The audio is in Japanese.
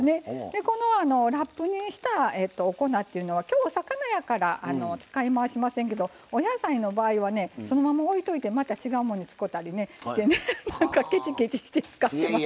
このラップにしたお粉っていうのはきょうは魚やから使い回しませんけどお野菜の場合はねそのままおいといてまた違うものに使うたりしてねケチケチして使ってます。